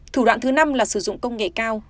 thủ đoạn thứ năm là sử dụng công nghệ cao